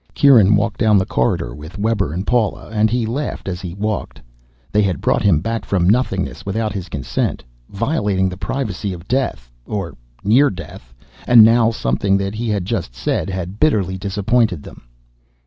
Kieran walked down the corridor with Webber and Paula and he laughed as he walked. They had brought him back from nothingness without his consent, violating the privacy of death or near death, and now something that he had just said had bitterly disappointed them.